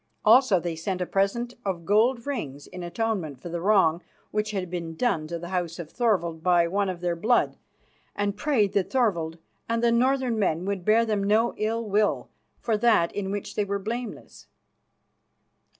Also they sent a present of gold rings in atonement for the wrong which had been done to the house of Thorvald by one of their blood, and prayed that Thorvald and the northern men would bear them no ill will for that in which they were blameless.